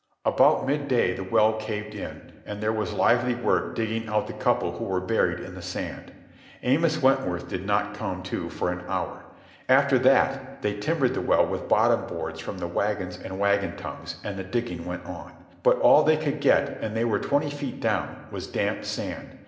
About midday the well caved in, and there was lively work digging out the couple who were buried in the sand. Amos Wentworth did not come to for an hour. After that they timbered the well with bottom boards from the wagons and wagon tongues, and the digging went on. But all they could get, and they were twenty feet down, was damp sand.